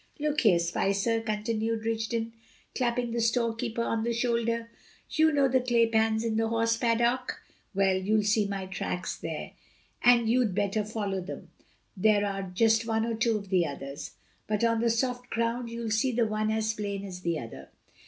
Look here, Spicer," continued Rigden, clapping the storekeeper on the shoulder; "you know the clay pans in the horse paddock? Well, you'll see my tracks there, and you'd better follow them; there are just one or two of the others; but on the soft ground you'll see the one as plain as the other.